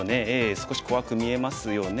少し怖く見えますよね。